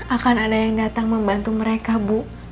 akan ada yang datang membantu mereka bu